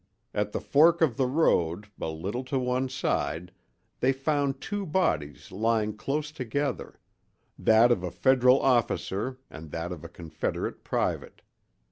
At the fork of the road, a little to one side, they found two bodies lying close together—that of a Federal officer and that of a Confederate private.